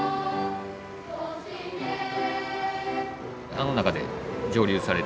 あの中で蒸留されて。